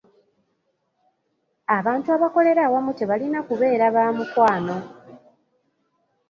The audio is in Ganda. Abantu abakolera awamu tebalina kubeera ba mukwano.